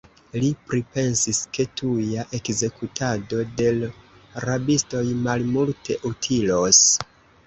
Li pripensis, ke tuja ekzekutado de l' rabistoj malmulte utilos.